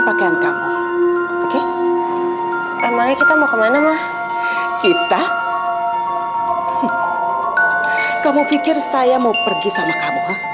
pakaian kamu oke emangnya kita mau kemana mah kita kamu pikir saya mau pergi sama kamu